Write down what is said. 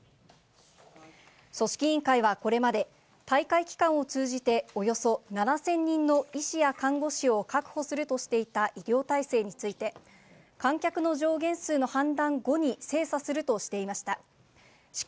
組織委員会はこれまで、大会期間を通じて、およそ７０００人の医師や看護師を確保するとしていた医療体制について、観客の上限数の判断後に精査するとしていました。